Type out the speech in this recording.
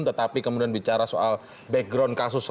tetapi kemudian bicara soal background kasus